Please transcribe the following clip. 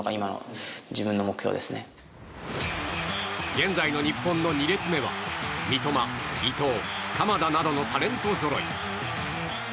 現在の日本の２列目は三笘、伊東、鎌田などのタレントぞろい。